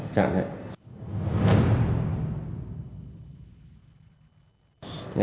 chạy khỏi nhà